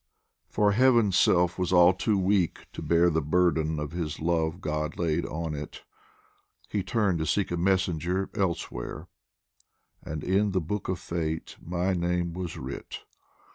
For Heaven's self was all too weak to bear The burden of His love God laid on it, He turned to seek a messenger elsewhere, And in the Book of Fate my name was writ.